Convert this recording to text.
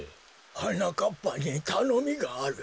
はなかっぱにたのみがある。